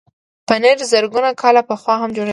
پنېر زرګونه کاله پخوا هم جوړېده.